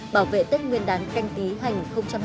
bảo vệ tết nguyên đán canh tí hành hai mươi